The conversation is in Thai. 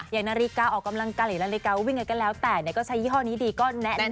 อย่างนาฬิกาออกกำลังกายหรือนาฬิกาวิ่งอะไรก็แล้วแต่ก็ใช้ยี่ห้อนี้ดีก็แนะนำ